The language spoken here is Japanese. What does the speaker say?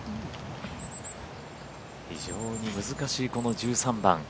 非常に難しいこの１３番。